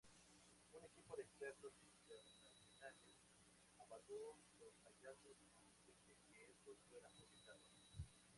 Un equipo de expertos internacionales evaluó los hallazgos antes de que estos fueran publicados.